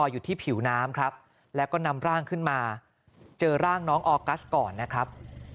อยู่ที่ผิวน้ำครับแล้วก็นำร่างขึ้นมาเจอร่างน้องออกัสก่อนนะครับ